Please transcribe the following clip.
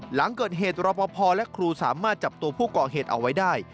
หลังเกิดเหตุรอปภและครูสามารถจับตัวผู้ก่อเหตุเอาไว้ได้